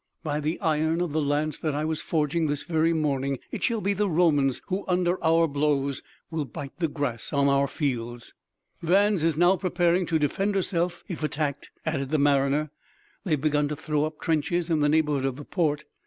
By the iron of the lance that I was forging this very morning, it shall be the Romans who, under our blows, will bite the grass on our fields!" "Vannes is now preparing to defend herself if attacked," added the mariner. "They have begun to throw up trenches in the neighborhood of the port.